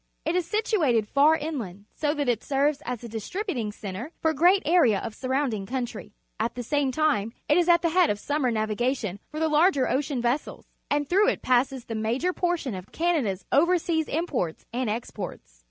It is situated far inland, so that it ser ves as a distributing cen tre foFa gre at area of surround ing coimtry . At the same time, it is at the head of sunuuer navigation for the larger ocean vessels, and t hrough it passes the major j)ortipn oLCaaada's overseas imp orts and exports.